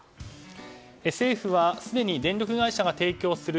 政府は、すでに電力会社が提供する